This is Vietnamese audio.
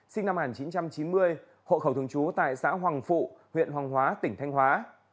sinh năm một nghìn chín trăm chín mươi hộ khẩu thường trú tại xã hoàng phụ huyện hoàng hóa tỉnh thanh hóa